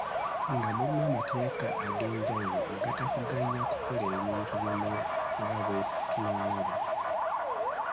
Nga mulimu amateeka ag'enjawulo agatakuganya kukola bintu bimu nga bwe tunaalaba.